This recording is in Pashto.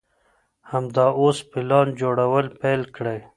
همدا اوس پلان جوړول پيل کړئ.